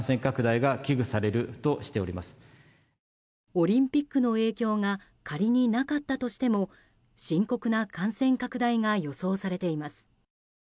オリンピックの影響が仮になかったとしても深刻な感染拡大が予想されています。